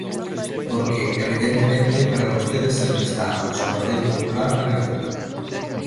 Porque, evidentemente, para vostedes sempre está antes o Partido Popular que Galiza.